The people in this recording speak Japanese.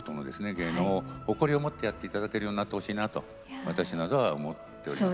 芸能を誇りを持ってやって頂けるようになってほしいなあと私などは思っております。